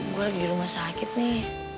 gue lagi rumah sakit nih